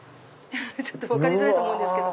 ちょっと分かりづらいと思うけど。